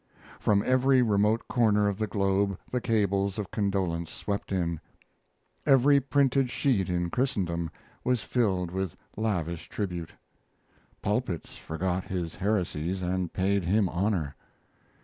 From every remote corner of the globe the cables of condolence swept in; every printed sheet in Christendom was filled with lavish tribute; pulpits forgot his heresies and paid him honor.